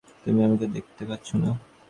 তুমি আমাকে দেখতে পাচ্ছো না।